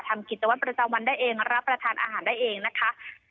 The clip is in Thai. กิจวัตรประจำวันได้เองรับประทานอาหารได้เองนะคะ